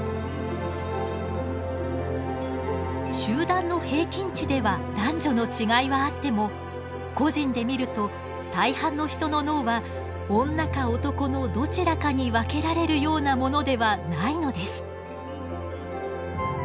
集団の平均値では男女の違いはあっても個人で見ると大半の人の脳は女か男のどちらかに分けられるようなものではないのです。